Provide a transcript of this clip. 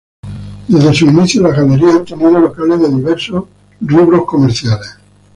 Desde sus inicios las galerías han tenido locales de diversos rubros comerciales.